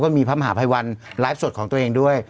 มีพระมหาภัยวันไลฟ์สดของตัวเองด้วย